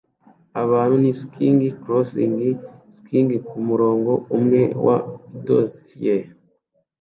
Abantu ni skiing crossing skiing kumurongo umwe wa dosiye